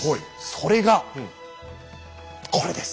それがこれです。